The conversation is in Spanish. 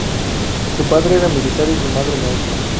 Su padre era militar y su madre maestra.